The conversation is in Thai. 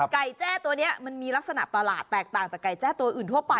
แจ้ตัวนี้มันมีลักษณะประหลาดแตกต่างจากไก่แจ้ตัวอื่นทั่วไป